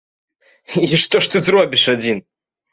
І што ж ты зробіш адзін?